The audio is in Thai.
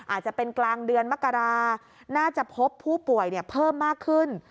อาจจะเป็นกลางเดือนมกราน่าจะพบผู้ป่วยเพิ่มมากขึ้น